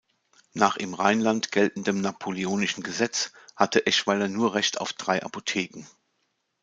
Nach im Rheinland geltendem napoleonischen Gesetz hatte Eschweiler nur Recht auf drei Apotheken.